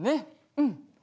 うん。